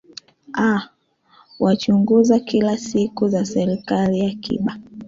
aa wachunguza kila siku za serikali ya kiba